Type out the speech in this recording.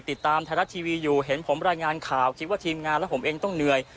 ติดตามไทยรัฐทีวีอยู่เห็นผมรายงานข่าวคิดว่าทีมงานและผมเองต้องเหนื่อย